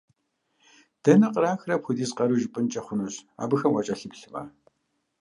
Дэнэ кърахрэ апхуэдиз къару жыпIэнкIи хъунщ, абыхэм уакIэлъыплъмэ!